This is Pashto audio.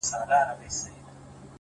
پوه انسان د حقیقت له پوښتنې نه وېرېږي